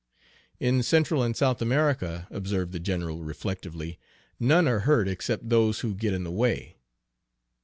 "In Central and South America," observed the general reflectively, "none are hurt except those who get in the way."